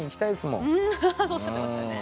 うんおっしゃってましたね。